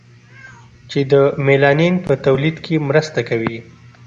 چې د میلانین په تولید کې مرسته کوي.